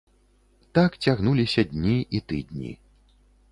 Так цягнуліся дні і тыдні.